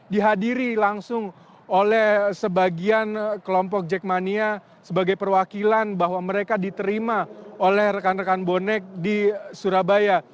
dihadiri langsung oleh sebagian kelompok jackmania sebagai perwakilan bahwa mereka diterima oleh rekan rekan bonek di surabaya